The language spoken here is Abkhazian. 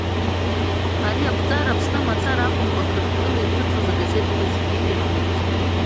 Ари ақәҵара, Аԥсны мацара акәымкәа, Қырҭтәыла иҭыҵуаз агазеҭқәа зегьы ирандирҵеит.